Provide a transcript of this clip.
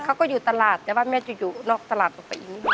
เขาก็อยู่ตลาดแต่ว่าแม่จะอยู่นอกตลาดปกติ